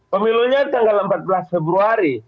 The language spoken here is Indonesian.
pemilunya tanggal empat belas februari